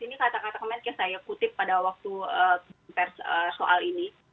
ini kata kata menkes saya kutip pada waktu persoal ini